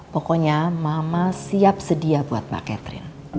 pokoknya mama siap sedia buat mbak catherine